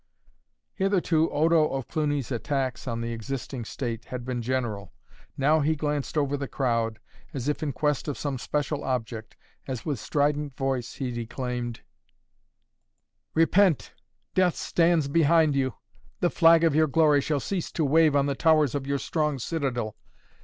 Hitherto Odo of Cluny's attacks on the existing state had been general. Now he glanced over the crowd, as if in quest of some special object, as with strident voice he declaimed: "Repent! Death stands behind you! The flag of your glory shall cease to wave on the towers of your strong citadel.